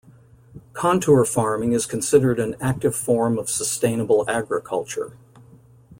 Contour farming is considered an active form of sustainable agriculture.